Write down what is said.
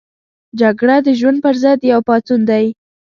جګړه د ژوند پر ضد یو پاڅون دی